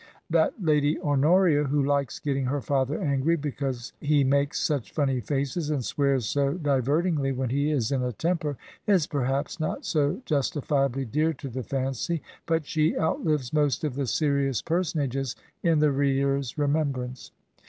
That Lady Honoria who likes getting her father angry because he makes such funny faces and swears so di vertingly when he is in a temper, is perhaps not so justi fiably dear to the fancy; but she outhves most of the serious personages in the reader's remembrance.